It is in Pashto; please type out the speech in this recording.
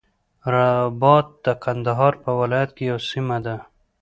رباط د قندهار په ولایت کی یوه سیمه ده.